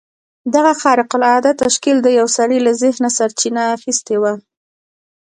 دغه خارق العاده تشکيل د يوه سړي له ذهنه سرچينه اخيستې وه.